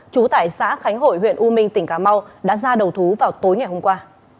trú tại xã khánh hội huyện u minh tỉnh cà mau đã ra đầu thú vào tối ngày hôm qua